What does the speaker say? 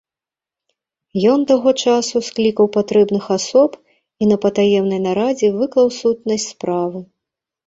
Ён таго часу склікаў патрэбных асоб і на патаемнай нарадзе выклаў сутнасць справы.